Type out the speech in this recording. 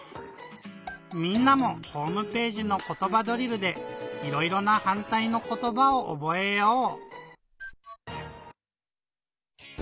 みんなもホームページの「ことばドリル」でいろいろなはんたいのことばをおぼえよう！